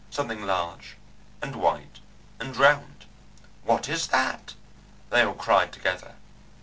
Something large and white and round. "What is that?" they all cried together.